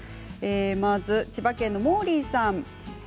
まず千葉県の方です。